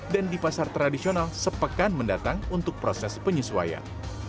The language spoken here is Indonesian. dan di pasar tradisional sepekan mendatang untuk proses penyesuaian